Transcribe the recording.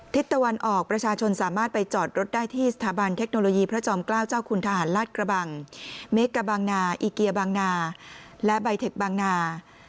ตะวันออกประชาชนสามารถไปจอดรถได้ที่สถาบันเทคโนโลยีพระจอมเกล้าเจ้าคุณทหารลาดกระบังเมกะบางนาอีเกียบางนาและใบเทคบางนา